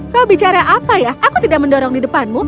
kau bicara apa ya aku tidak mendorong di depanmu